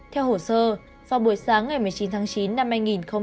theo hồ sơ vào buổi sáng ngày một mươi chín tháng chín năm hai nghìn hai mươi hai